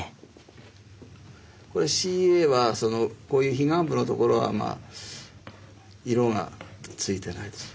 これＣＥＡはこういう非ガン部のところはまあ色がついてないです。